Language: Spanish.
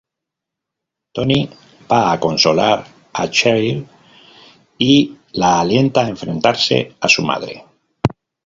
Toni va a consolar a Cheryl y la alienta a enfrentarse a su madre.